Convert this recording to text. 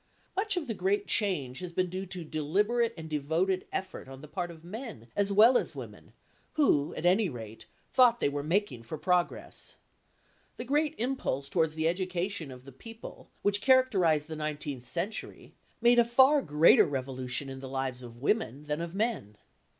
Much of the great change has been due to deliberate and devoted effort on the part of men as well as women, who, at any rate, thought they were making for progress. The great impulse towards the education of the people which characterised the nineteenth century made a far greater revolution in the lives of women than of men.